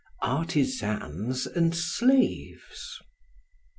Artisans and Slaves.